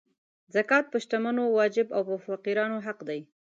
زکات په شتمنو واجب او په فقیرانو حق دی.